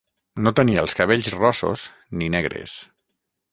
No tenia els cabells rossos, ni negres